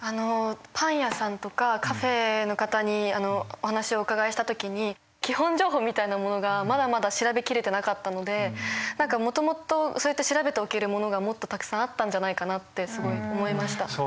パン屋さんとかカフェの方にお話をおうかがいした時に基本情報みたいなものがまだまだ調べ切れてなかったので何かもともとそうやって調べておけるものがもっとたくさんあったんじゃないかなってすごい思いました。